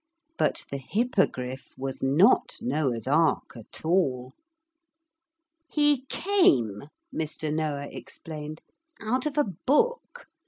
But the Hippogriff was not Noah's Ark at all. 'He came,' Mr. Noah explained, 'out of a book.